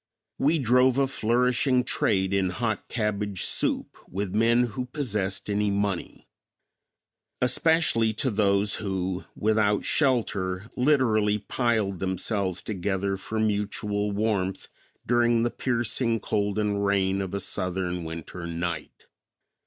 We drove a flourishing trade in hot cabbage soup with men who possessed any money; especially to those who, without shelter, literally piled themselves together for mutual warmth during the piercing cold and rain of a southern winter night.